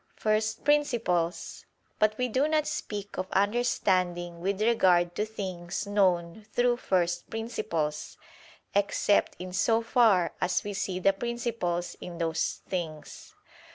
first principles: but we do not speak of understanding with regard to things known through first principles, except in so far as we see the principles in those things.